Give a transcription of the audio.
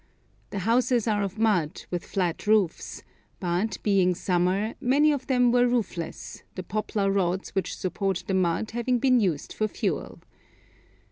The houses are of mud, with flat roofs; but, being summer, many of them were roofless, the poplar rods which support the mud having been used for fuel.